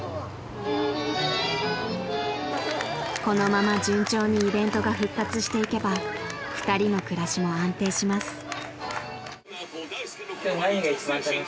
［このまま順調にイベントが復活していけば２人の暮らしも安定します］